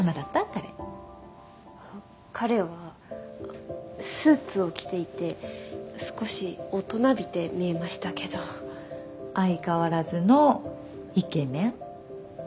彼彼はスーツを着ていて少し大人びて見えましたけど相変わらずのイケメン？